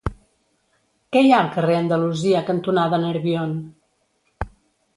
Què hi ha al carrer Andalusia cantonada Nerbion?